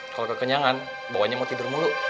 kalau kekenyangan bawahnya mau tidur mulu